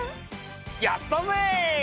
やったぜ！